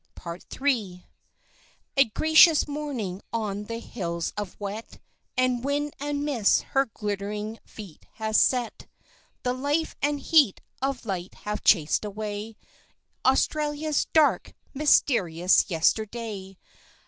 Part III Children A gracious morning on the hills of wet And wind and mist her glittering feet has set; The life and heat of light have chased away Australia's dark, mysterious yesterday.